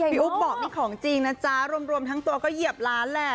อุ๊บบอกนี่ของจริงนะจ๊ะรวมทั้งตัวก็เหยียบล้านแหละ